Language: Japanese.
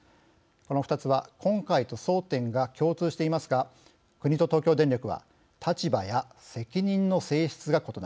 この２つは今回と争点が共通していますが国と東京電力は立場や責任の性質が異なります。